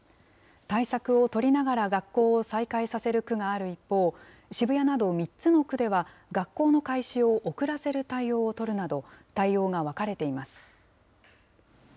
対策を取りながら学校を再開させる区がある一方、渋谷など３つの区では、学校の開始を遅らせる対応を取るなど、対応が分かれています。